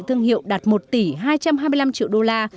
thương hiệu đạt một tỷ hai trăm hai mươi năm triệu đô la